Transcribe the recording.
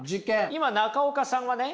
今中岡さんはね